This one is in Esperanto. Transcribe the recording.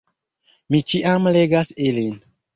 Mi ĉiam legas ilin.